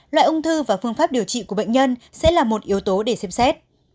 loại ung thư và phương pháp điều trị của bệnh nhân sẽ là một yếu tố để xem xét